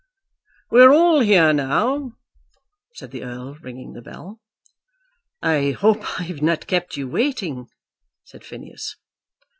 "We are all here now," said the Earl, ringing the bell. "I hope I've not kept you waiting," said Phineas.